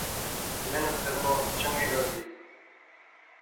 محنت کرنا چنگی گل زی